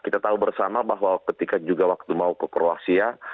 kita tahu bersama bahwa ketika juga waktu mau ke kroasia